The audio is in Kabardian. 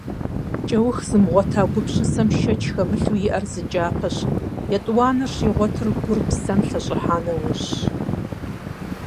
КӀэух зымыгъуэта гупсысэм, шэч хэмылъу, иӀэр зы кӀапэщ, етӀуанэр щигъуэтыр гур псэм лъэщӀыхьа нэужьщ.